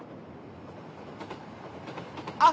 あっ！